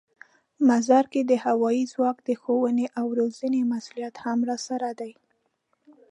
مزار کې د هوايي ځواک د ښوونې او روزنې مسوولیت هم راسره دی.